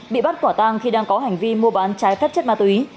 bị bắt quả tang khi đang có hành vi mua bán trái phép chất ma túy